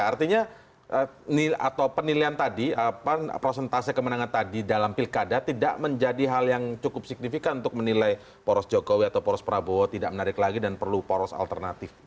artinya atau penilaian tadi prosentase kemenangan tadi dalam pilkada tidak menjadi hal yang cukup signifikan untuk menilai poros jokowi atau poros prabowo tidak menarik lagi dan perlu poros alternatif